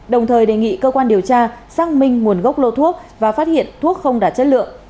đồng thời đề nghị cơ quan điều tra xác minh nguồn gốc lô thuốc và phát hiện thuốc không đạt chất lượng